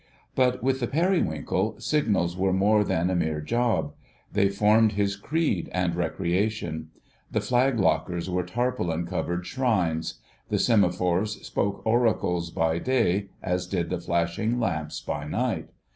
But with the Periwinkle, Signals were more than a mere "job." They formed his creed and recreation: the flag lockers were tarpaulin covered shrines; the semaphores spoke oracles by day as did the flashing lamps by night.